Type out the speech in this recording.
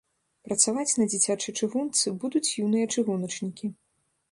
Працаваць на дзіцячай чыгунцы будуць юныя чыгуначнікі.